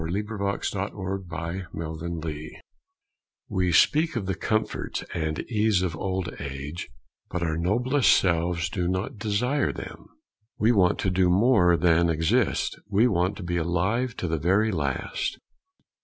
LET ME LIVE OUT MY YEARS We speak of the comforts and ease of old age, but our noblest selves do not really desire them. We want to do more than exist. We want to be alive to the very last.